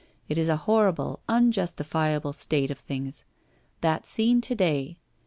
It is a horrible, unjustifiable state of things ! That scene to day. ...